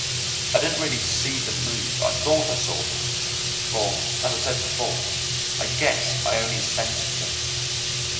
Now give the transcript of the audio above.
I didn't really see them move; I thought I saw them, for, as I said before, I guess I only sensed them.